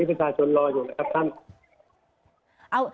ประชาชนรออยู่นะครับท่าน